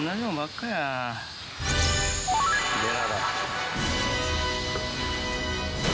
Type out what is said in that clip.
ベラだ。